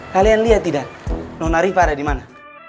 kalian liat tidak nona riva ada dimana